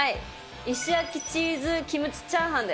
石焼チーズキムチチャーハンで。